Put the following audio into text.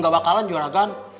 gak bakalan juragan